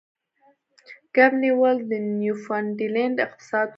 کب نیول د نیوفونډلینډ اقتصاد و.